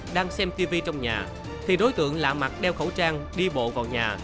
đang xem tivi trong nhà thì đối tượng lạ mặt đeo khẩu trang đi bộ vào nhà